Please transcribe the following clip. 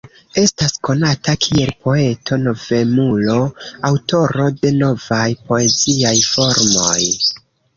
Estas konata kiel poeto-novemulo, aŭtoro de novaj poeziaj formoj.